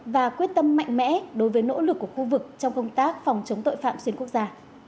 và quyết tâm mạnh mẽ đối với nỗ lực của khu vực trong công tác phòng chống tội phạm xuyên quốc gia